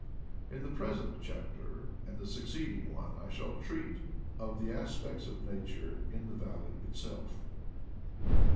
In the present chapter and the succeeding one I shall treat of the aspects of nature in the valley itself.